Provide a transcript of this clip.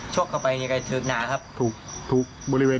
ชกเข้าไปเถอะทึกหนากับภูติทุกบริเวณ